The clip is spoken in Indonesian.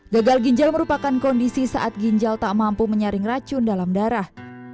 gagal ginjal merupakan kondisi saat ginjal tak mampu menyaring racun dalam darah